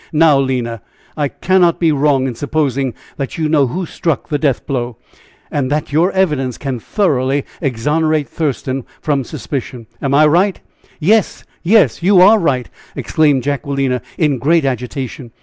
Now, Lina, I cannot be wrong in supposing that you know who struck that death blow, and that your evidence can thoroughly exonerate Thurston from suspicion! Am I right?" "Yes! yes! you are right," exclaimed Jacquelina, in great agitation.